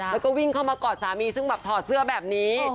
แล้วก็วิ่งเข้ามากอดสามีซึ่งแบบถอดเสื้อแบบนี้